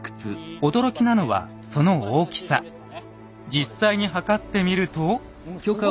実際に測ってみると。